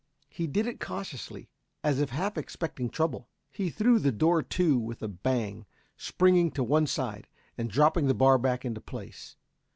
He did it cautiously, as if half expecting trouble. He threw the door to with a bang, springing to one side, and dropping the bar back into place.